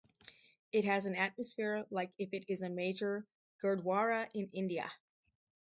It has an atmosphere like if it is a major Gurdwara in India.